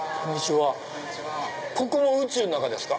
ここも宇宙の中ですか？